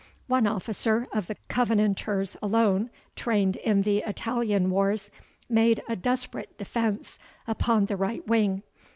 One officer of the Covenanters alone, trained in the Italian wars, made a desperate defence upon the right wing.